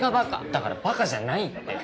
だからバカじゃないって。